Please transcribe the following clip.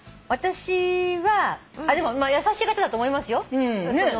優しい方だと思いますよ。